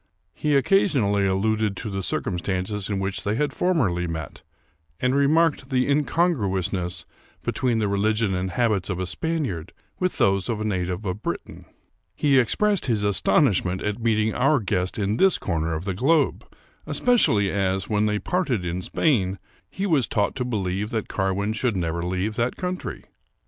He occasionally alluded to the circumstances in which they had formerly met, and remarked the incon gruousness between the religion and habits of a Spaniard with those of a native of Britain. He expressed his aston ishment at meeting our guest in this corner of the globe, especially as, when they parted in Spain, he was taught to believe that Carwin should never leave that country.